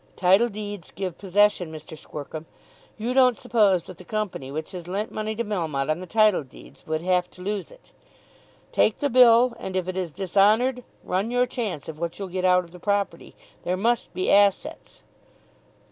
"Title deeds give possession, Mr. Squercum. You don't suppose that the company which has lent money to Melmotte on the title deeds would have to lose it. Take the bill; and if it is dishonoured run your chance of what you'll get out of the property. There must be assets."